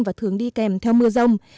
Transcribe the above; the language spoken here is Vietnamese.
và thường đi kèm theo mưa rông